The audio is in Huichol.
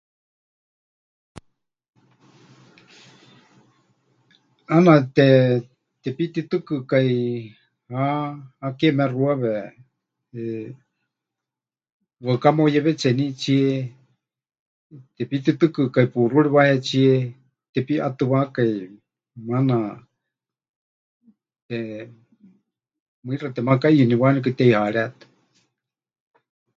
ʼAana tepititɨkɨkaɨ, ha hakeewa mexuawe, eh, waɨká meuyewetsenítsie, tepititɨkɨkai puuxúri wahetsíe, tepiʼatɨwakai maana, eh, mɨixa temakaʼiyuniwanikɨ teʼiharétɨ.